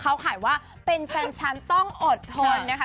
เขาขายว่าเป็นแฟนฉันต้องอดทนนะคะ